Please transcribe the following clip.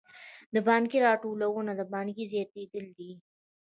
د پانګې راټولونه د پانګې زیاتېدل دي